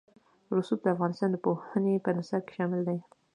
رسوب د افغانستان د پوهنې په نصاب کې شامل دي.